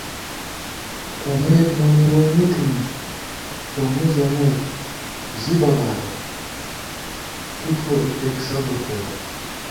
امېد مونی ووئی می تھنی سومّی ژَمېت ژِبہ بالہ تُو خو اِپېک صبُر کېرہ